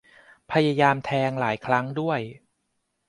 พยายามแทงหลายครั้งด้วย